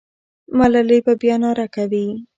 ملالۍ به بیا ناره کوي.